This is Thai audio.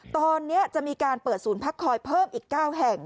ตอนนี้จะมีการเปิดศูนย์พักคอยเพิ่มอีก๙แห่ง